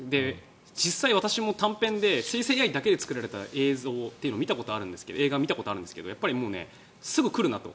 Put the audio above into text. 実際、私も短編で生成ＡＩだけで作られた映像、映画というのを見たことあるんですがすぐ来るなと。